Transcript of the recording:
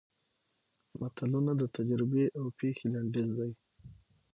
متلونه د تجربې او پېښې لنډیز دي